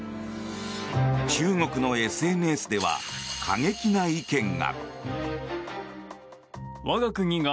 中国のＳＮＳでは過激な意見が。